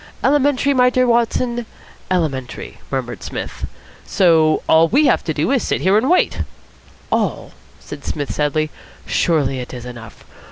"Elementary, my dear Watson, elementary," murmured Psmith. "So all we have to do is to sit here and wait." "All?" said Psmith sadly. "Surely it is enough.